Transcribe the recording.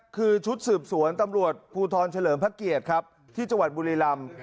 คือชุดสืบสวนตำรวจภูทรเฉลิมพระเกียรติครับที่จังหวัดบุรีรำ